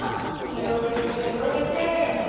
ひろげてひろげてできた！